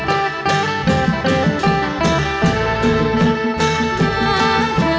พระเจ้าเกิดทำให้เยอะมา